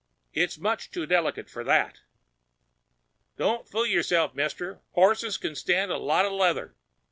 "It's much too delicate for that." "Don't fool yourself, mister. Horses can stand a lot of leather."